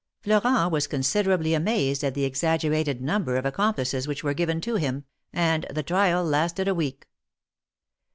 Florent was considerably amazed at the exaggerated number of accomplices which were given to hin>, and the trial lasted a week.